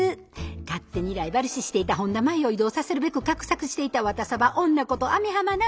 勝手にライバル視していた本田麻衣を異動させるべく画策していた「ワタサバ女」こと網浜奈美